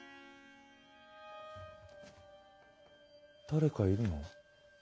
誰かいるの？